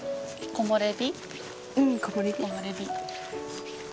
木漏れ日。